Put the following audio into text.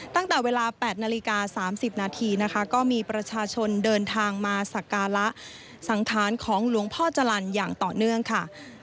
ตั้งแต่เวลา๘นาฬิกา๓๐นาทีนะคะก็มีประชาชนเดินทางมาสักการะสังธารของหลวงพ่อจรรย์อย่างต่อเนื่องค่ะ